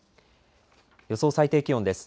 予想最低気温です。